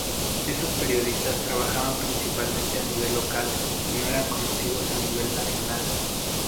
Esos periodistas trabajaban principalmente a nivel local y no eran conocidos a nivel nacional.